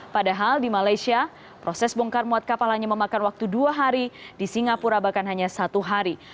padahal di malaysia proses bongkar muat kapal hanya memakan waktu dua hari di singapura bahkan hanya satu hari